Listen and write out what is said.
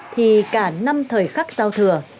thì cả năm thời khắc giao thừa